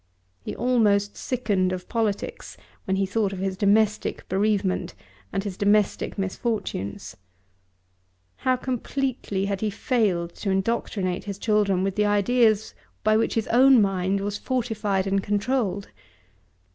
He almost sickened of politics when he thought of his domestic bereavement and his domestic misfortunes. How completely had he failed to indoctrinate his children with the ideas by which his own mind was fortified and controlled!